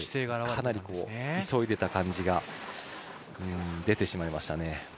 かなり急いでいた感じが出てしまいましたね。